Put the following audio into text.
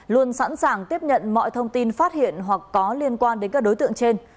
luôn sẵn sàng tiếp nhận mọi thông tin phát hiện hoặc có liên quan đến các đối tượng trên